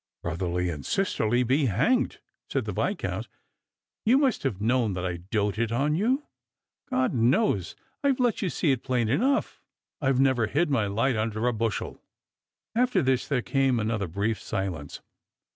"Brotherly and sisterly be hanged!" said the Yiscount; " you must have known that I doated on you. God knows I've let you see it plain enough. I've never hid my light under a bushel." After this there came another brief silence.